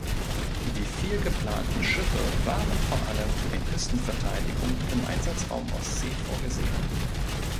Die vier geplanten Schiffe waren vor allem für die Küstenverteidigung im Einsatzraum Ostsee vorgesehen.